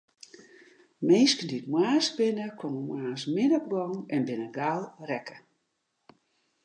Minsken dy't moarnsk binne, komme moarns min op gong en binne gau rekke.